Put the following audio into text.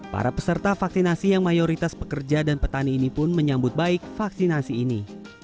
para peserta vaksinasi yang mayoritas pekerja dan petani ini pun menyambut baik vaksinasi ini